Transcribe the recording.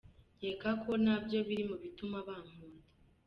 Nkeka ko nabyo biri mu bituma bankunda…”.